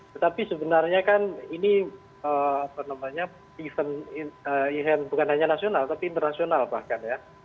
tetapi sebenarnya kan ini event event bukan hanya nasional tapi internasional bahkan ya